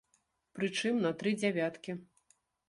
Прычым, на тры дзявяткі.